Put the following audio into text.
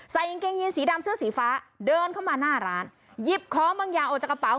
กางเกงยีนสีดำเสื้อสีฟ้าเดินเข้ามาหน้าร้านหยิบของบางอย่างออกจากกระเป๋า